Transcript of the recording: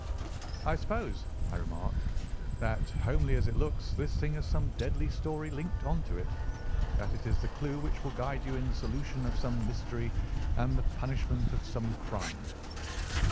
"I suppose," I remarked, "that, homely as it looks, this thing has some deadly story linked on to it—that it is the clue which will guide you in the solution of some mystery and the punishment of some crime."